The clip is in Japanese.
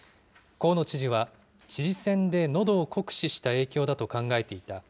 河野知事は、知事選でのどを酷使した影響だと考えていた。